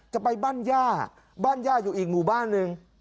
จะไปบ้านย่าบ้านย่าอยู่อีกหมู่บ้านหนึ่ง